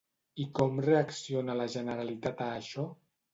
I com reacciona la Generalitat a això?